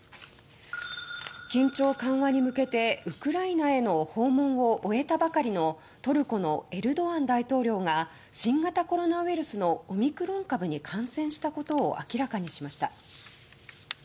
緊張緩和に向けてウクライナへの訪問を終えたばかりのトルコのエルドアン大統領が新型コロナウイルスのオミクロン株に感染したことを明らかにしました。